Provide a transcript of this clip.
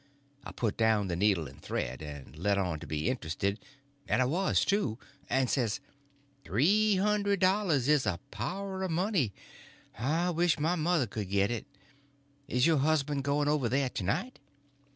I put down the needle and thread, and let on to be interested—and I was, too—and says: "Three hundred dollars is a power of money. I wish my mother could get it. Is your husband going over there to night?"